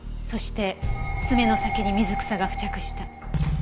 そして爪の先に水草が付着した。